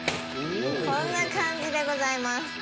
こんな感じでございます。